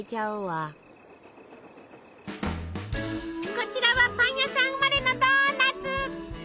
こちらはパン屋さん生まれのドーナツ。